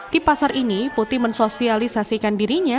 di pasar ini putih mensosialisasikan dirinya